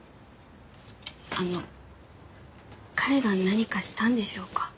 あの彼が何かしたんでしょうか？